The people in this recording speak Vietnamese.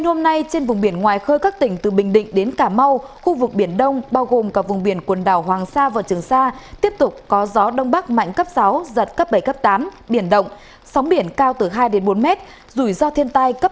hãy đăng ký kênh để ủng hộ kênh của chúng mình nhé